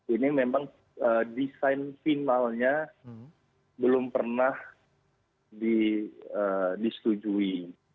ini memang desain finalnya belum pernah disetujui